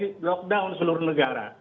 orang tertular lockdown seluruh negara